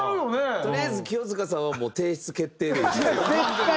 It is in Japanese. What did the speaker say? とりあえず清塚さんはもう提出決定でいい？